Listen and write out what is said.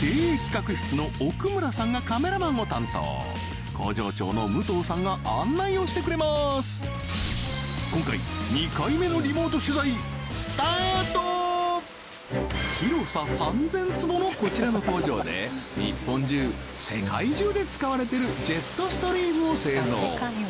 経営企画室の奥村さんがカメラマンを担当工場長の武藤さんが案内をしてくれます広さ３０００坪のこちらの工場で日本中世界中で使われてるジェットストリームを製造